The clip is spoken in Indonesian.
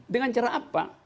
dengan cara apa